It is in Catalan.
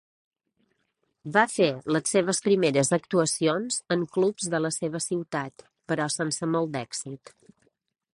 Va fer les seves primeres actuacions en clubs de la seva ciutat, però sense molt d'èxit.